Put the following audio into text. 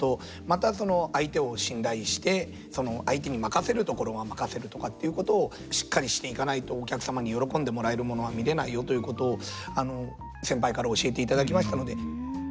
またその相手を信頼してその相手に任せるところは任せるとかっていうことをしっかりしていかないとお客様に喜んでもらえるものは見れないよということを先輩から教えていただきましたので。